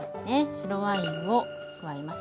白ワインを加えます。